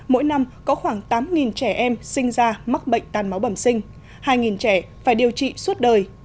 mỗi năm có khoảng tám trẻ em sinh ra mắc bệnh tan máu bẩm sinh hai trẻ phải điều trị suốt đời